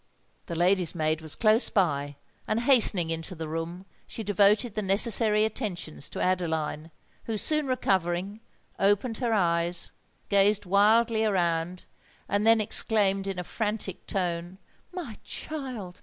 The lady's maid was close by; and, hastening into the room, she devoted the necessary attentions to Adeline, who, soon recovering, opened her eyes, gazed wildly around, and then exclaimed in a frantic tone, "My child!